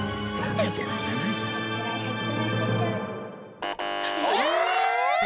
７いじゃない？え！？